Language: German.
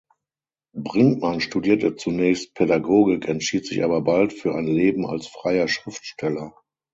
Brinkmann studierte zunächst Pädagogik, entschied sich aber bald für ein Leben als freier Schriftsteller.